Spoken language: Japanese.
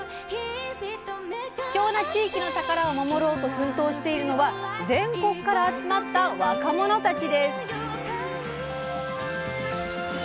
貴重な地域の宝を守ろうと奮闘しているのは全国から集まった若者たちです。